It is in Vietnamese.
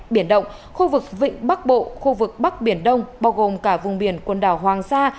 biển động khu vực vịnh bắc bộ khu vực bắc biển đông bao gồm cả vùng biển quần đảo hoàng sa